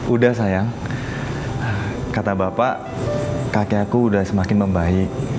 udah sayang kata bapak kaki aku udah semakin membaik